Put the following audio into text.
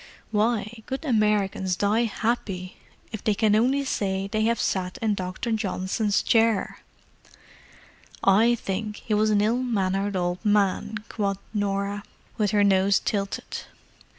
"Why, good Americans die happy if they can only say they have sat in Dr. Johnson's chair!" "I think he was an ill mannered old man!" quoth Norah, with her nose tilted.